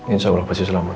insya allah pasti selamat